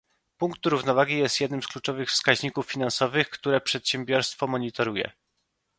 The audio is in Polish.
Punkt równowagi jest jednym z kluczowych wskaźników finansowych, które przedsiębiorstwo monitoruje.